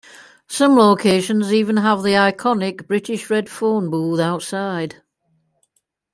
Some locations even have the iconic British red phone booth outside.